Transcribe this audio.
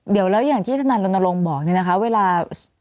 เดี๋ยวแล้วอย่างที่ธนาลงนรมบอกนะคะเวลา